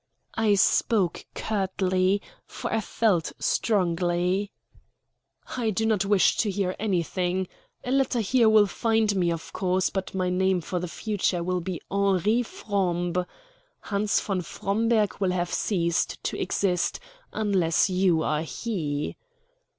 I spoke curtly, for I felt strongly. "I do not wish to hear anything. A letter here will find me, of course, but my name for the future will be Henri Frombe Hans von Fromberg will have ceased to exist, unless you are he."